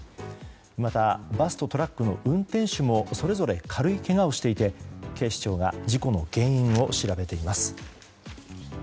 また、バスとトラックの運転手もそれぞれ軽いけがをしていて警視庁が事故の原因を調べています。